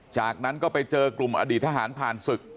จากนั้นก็ไปเจอกลุ่มอดีตทหารผ่านศึก